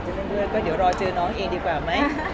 ก็เดี๋ยวละเพื่อนรักด้วยก็เจอน้องเองดีกว่าไหม